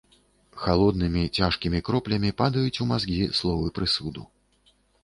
Халоднымі цяжкімі кроплямі падаюць у мазгі словы прысуду.